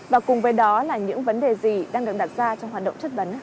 và cùng với đó là những vấn đề gì đang được đặt ra trong hoạt động chất vấn